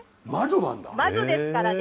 魔女ですからね。